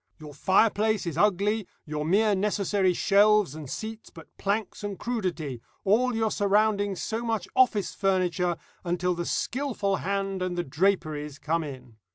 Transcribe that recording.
Your fireplace is ugly, your mere necessary shelves and seats but planks and crudity, all your surroundings so much office furniture, until the skilful hand and the draperies come in.